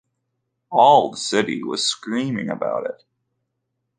All the city was screaming about it.